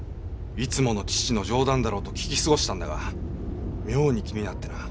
いつもの義父の冗談だろうと聞き過ごしたんだが妙に気になってな。